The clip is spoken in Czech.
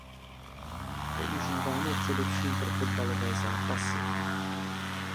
Používán je především pro fotbalové zápasy.